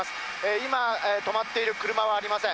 今、止まっている車はありません。